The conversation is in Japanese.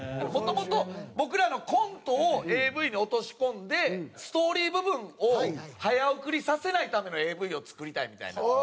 もともと僕らのコントをＡＶに落とし込んでストーリー部分を早送りさせないためのＡＶを作りたいみたいな。